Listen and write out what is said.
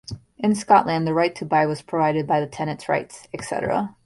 In Scotland the Right to Buy was provided by the Tenants' Rights, Etc.